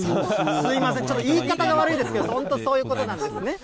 すみません、ちょっと言い方が悪いですけど、本当、そういうことなんですね。